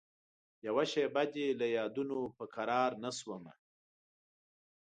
یوه شېبه دي له یادونوپه قرارنه شومه